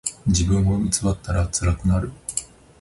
自分を偽ったらつらくなる。